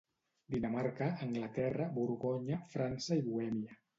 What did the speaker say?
Dinamarca, Anglaterra, Borgonya, França i Bohèmia.